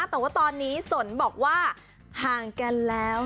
แต่ว่าตอนนี้สนบอกว่าห่างกันแล้ว